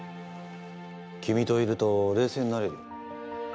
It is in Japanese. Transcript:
君といると冷静になれるよ。